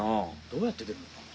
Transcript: どうやってでるのかな？